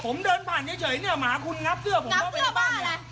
ผมเดินผ่านเฉยเฉยเนี้ยหมาคุณงับเสื้อผมงับเสื้อบ้านอะไร